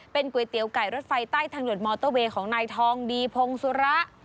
ก๋วยเตี๋ยวไก่รถไฟใต้ทางด่วนมอเตอร์เวย์ของนายทองดีพงศุระ